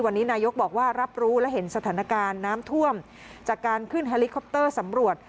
วันนี้นายกบอกว่ารับรู้และเห็นสถานการณ์น้ำท่วมจากการขึ้นแฮลิคอปเตอร์สำรวจ